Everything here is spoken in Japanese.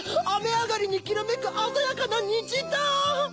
あめあがりにきらめくあざやかなにじだ！